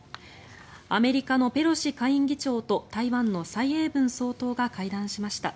アメリカのペロシ下院議長と台湾の蔡英文総統が会談しました。